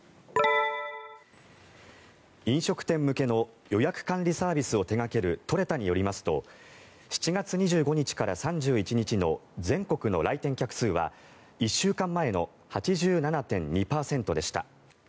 飲食店向けの予約管理サービスを手掛けるトレタによりますと７月２５日から３１日の全国の来店客数は１週間前の８７．２％でした。